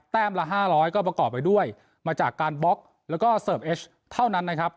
ละ๕๐๐ก็ประกอบไปด้วยมาจากการบล็อกแล้วก็เสิร์ฟเอชเท่านั้นนะครับ